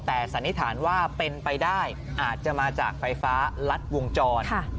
แต่สันนิษฐานว่าเป็นไปได้อาจจะมาจากไฟฟ้ารัดวงจร